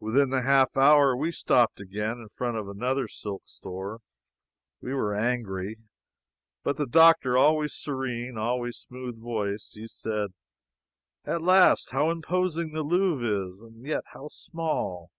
Within the half hour we stopped again in front of another silk store. We were angry; but the doctor was always serene, always smooth voiced. He said: "At last! How imposing the Louvre is, and yet how small!